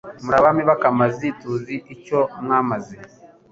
Muri Abami b'akamazi Tuzi icyo mwamaze.